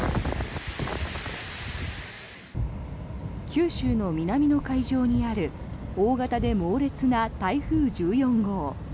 九州の南の海上にある大型で猛烈な台風１４号。